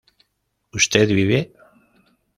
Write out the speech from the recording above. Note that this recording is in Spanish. ¿usted vive?